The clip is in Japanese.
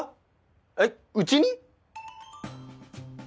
えっうちに！？